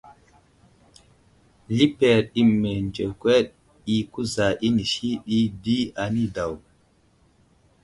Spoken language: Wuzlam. Liper i mənzekwed i kuza inisi ɗi di anidaw.